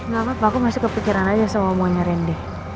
gak apa apa aku masih kepikiran aja sama monya rende